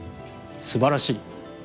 すばらしい。